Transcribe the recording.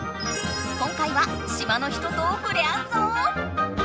今回は島の人とふれあうぞ！